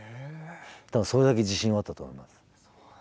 だからそれだけ自信はあったと思います。